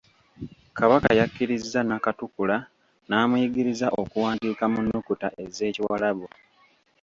Kabaka yakkiriza Nakatukula n'amuyigiriza okuwandiika mu nnukuta ez'Ekiwarabu.